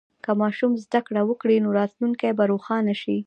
که ماشوم زده کړه وکړي، نو راتلونکی به روښانه شي.